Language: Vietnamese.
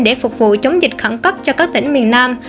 để phục vụ chống dịch khẩn cấp cho các tỉnh miền nam